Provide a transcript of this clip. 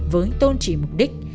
với tôn trị mục đích